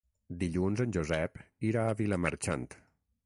Dilluns en Josep irà a Vilamarxant.